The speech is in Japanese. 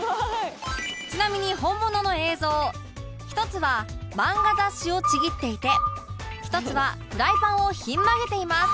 ちなみに本物の映像１つは漫画雑誌をちぎっていて１つはフライパンをひん曲げています